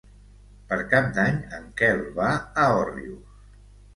Per Cap d'Any en Quel va a Òrrius.